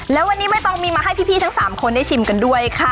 แล้ววันนี้ไม่ต้องมีมาให้พี่ทั้ง๓คนได้ชิมกันด้วยค่ะ